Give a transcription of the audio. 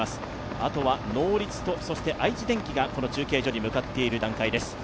あとはノーリツと愛知電機がこの中継所に向かっている段階です。